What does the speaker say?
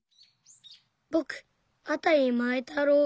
ぼくあたりまえたろう。